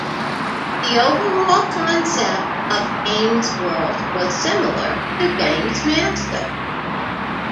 The overall concept of "Games World" was similar to "GamesMaster".